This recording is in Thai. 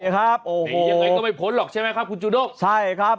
ครับโอ้โหยังไงก็ไม่พ้นหรอกใช่ไหมครับคุณจุดกใช่ครับ